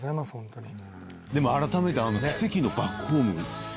でも改めて、奇跡のバックホ